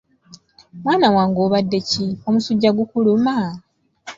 Mwana wange obadde ki? Omusujja gukuluma?